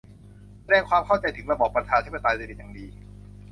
แสดงถึงความเข้าใจในระบอบประชาธิปไตยเป็นอย่างดี